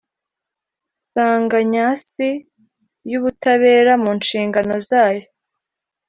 Nsanganyasi y Ubutabera Mu nshingano zayo